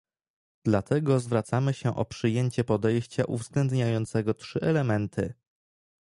Dlatego zwracamy się o przyjęcie podejścia uwzględniającego trzy elementy